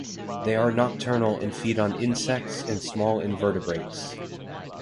They are nocturnal and feed on insects and small invertebrates.